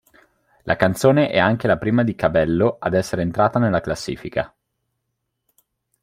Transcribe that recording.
La canzone è anche la prima di Cabello ad essere entrata nella classifica.